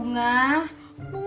kenapa lagi sih bunga